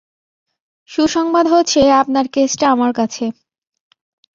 সুসংবাদ হচ্ছে আপনার কেসটা আমার কাছে।